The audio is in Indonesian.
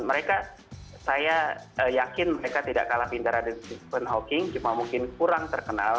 mereka saya yakin mereka tidak kalah pintar dengan stephen hawking cuma mungkin kurang terkenal